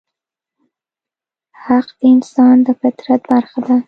حق د انسان د فطرت برخه ده.